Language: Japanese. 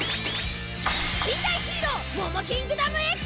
禁断ヒーローモモキングダムＸ！